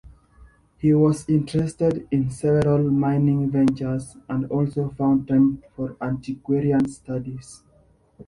He was interested in several mining ventures and also found time for antiquarian studies.